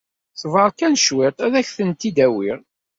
Ṣber kan cwiṭ, ad ak-tent-id-awiɣ.